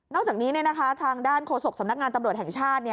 อกจากนี้ทางด้านโฆษกสำนักงานตำรวจแห่งชาติ